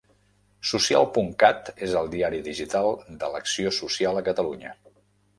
Social.cat és el diari digital de l'acció social a Catalunya.